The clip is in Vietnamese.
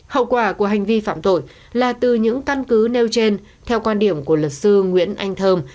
hậu quả của hành vi phạm tội là từ những căn cứ nêu trên theo quan điểm của luật sư nguyễn anh thơm